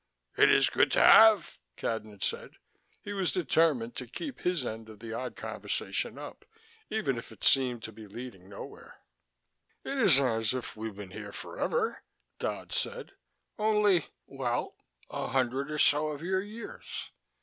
"It is good to have," Cadnan said. He was determined to keep his end of the odd conversation up, even if it seemed to be leading nowhere. "It isn't as if we've been here forever," Dodd said. "Only well, a hundred or so of your years.